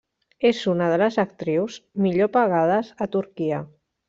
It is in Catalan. És una de les actrius millor pagades a Turquia.